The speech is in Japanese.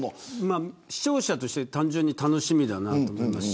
視聴者として単純に楽しみだなと思いますし。